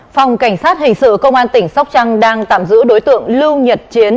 phòng cảnh sát hình sự công an tỉnh sóc trăng đang tạm giữ đối tượng lưu nhật chiến